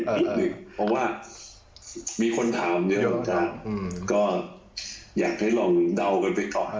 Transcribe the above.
เพราะว่ามีคนถามเยอะนะครับก็อยากให้ลองเดากันไปก่อน